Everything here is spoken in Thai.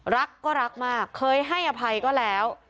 รักก็รักมากเคยให้อภัยก็แล้ว